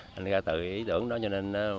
nên là tự ý tưởng đó cho nên mình mới